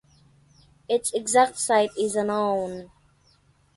Its exact site is unknown.